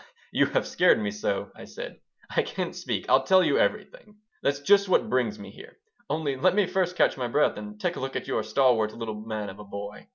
"You have scared me so," I said, "I can't speak. I'll tell you everything. That's just what brings me here. Only let me first catch my breath and take a look at your stalwart little man of a boy."